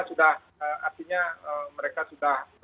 sudah artinya mereka sudah